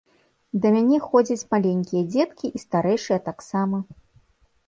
Да мяне ходзяць маленькія дзеткі і старэйшыя таксама.